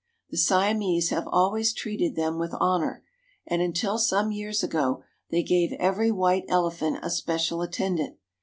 The Siamese have always treated them with honor, and until some years ago they gave every white elephant a special attendant.